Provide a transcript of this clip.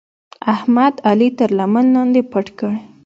احمد؛ علي تر لمن لاندې پټ کړ.